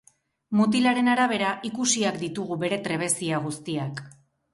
Mutilaren arabera, ikusiak ditugu bere trebezia guztiak.